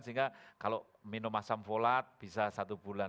sehingga kalau minum asam folat bisa satu bulan